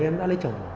em đã lấy chồng